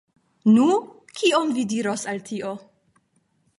Nu, kion vi diros al tio?